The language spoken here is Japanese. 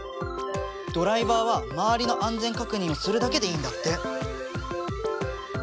ドライバーは周りの安全確認をするだけでいいんだって。